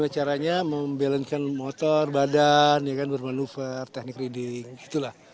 caranya membalanceng motor badan ya kan bermanuver teknik reading itulah